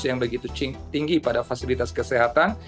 yang begitu tinggi pada fasilitas kesehatan